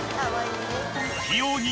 ［器用に］